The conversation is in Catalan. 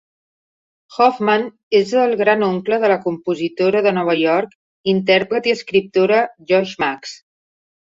Hoffman és el gran oncle de la compositora de Nova York, intèrpret i escriptora Josh Max.